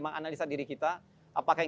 menganalisa diri kita apakah